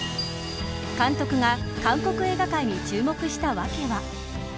監督が韓国映画界に注目した訳は。